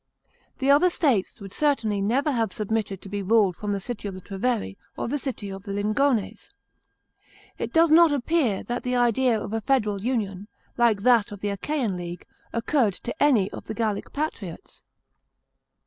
The other states would certainly never have submitted to be ruled from the city of the Treveri or toe city of the Lingones. It does not appear that the idea of a Federal Union— like that of the Achaean League — occurred to any of the Gallic patriots.